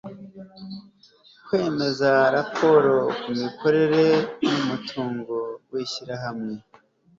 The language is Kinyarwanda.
Kwemeza raporo ku mikorere n umutungo w ishyirahamwe